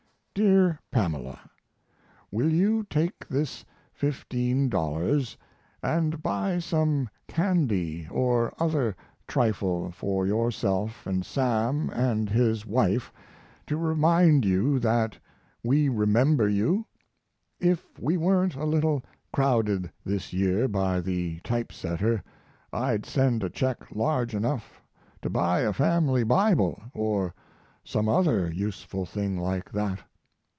DEAR PAMELA, Will you take this $15 & buy some candy or other trifle for yourself & Sam & his wife to remind you that we remember you? If we weren't a little crowded this year by the type setter I'd send a check large enough to buy a family Bible or some other useful thing like that.